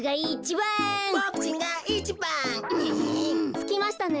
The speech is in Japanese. つきましたね。